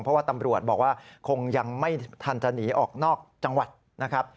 เพราะว่าตำรวจบอกว่าคงยังไม่ทันจะหนีออกนอกจังหวัดนะครับ